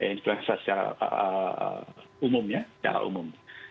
influenza secara umum ya secara umum